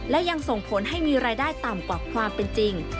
และยังส่งผลให้มีรายได้ต่ำกว่าความเป็นจริง